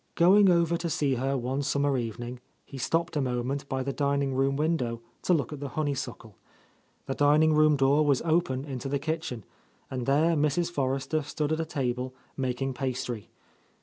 Going over to see her one summer evening, he stopped a moment by the dining room window to look at the honeysuckle. The dining room door was open into the kitchen, and there Mrs. Forrester stood at a table, making pastry.